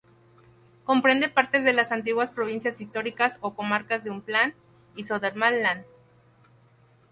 Comprende partes de las antiguas provincias históricas o comarcas de Uppland y Södermanland.